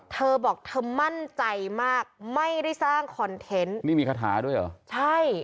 เธอบอกเธอมั่นใจมากไม่ได้สร้างคอนเทนต์นี่มีคาถาด้วยเหรอใช่